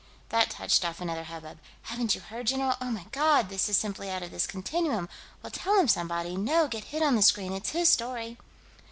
That touched off another hubbub: "Haven't you heard, general?" ... "Oh, my God, this is simply out of this continuum!" ... "Well, tell him, somebody!" ... "No, get Hid on the screen; it's his story!"